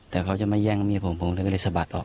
แต่เขาจะมาแย่งเมียผมผมเลยก็เลยสะบัดออก